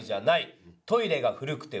「トイレが古くて和式」。